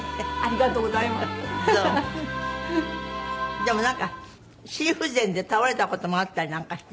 でもなんか心不全で倒れた事もあったりなんかして。